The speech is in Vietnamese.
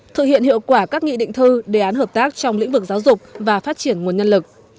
thực hiện hiệu quả các nghị định thư đề án hợp tác trong lĩnh vực giáo dục và phát triển nguồn nhân lực